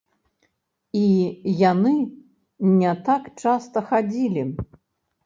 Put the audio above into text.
І яны не так часта хадзілі.